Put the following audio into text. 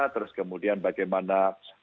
terus kemudian bagaimana